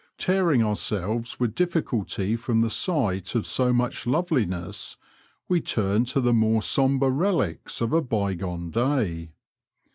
Tearing ourselves with difficulty from the sight of so much loveliness, we turned to the more sombre relics of a bygone day.